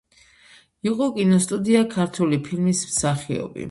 იყო კინოსტუდია „ქართული ფილმის“ მსახიობი.